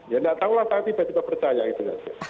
ya enggak tahu apa apa tiba tiba percaya gitu